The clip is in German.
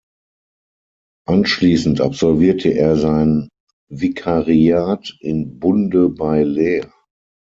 Anschließend absolvierte er sein Vikariat in Bunde bei Leer.